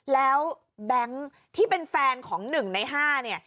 แล้วแบงค์ที่เป็นแฟนของ๑ใน๕เนี่ย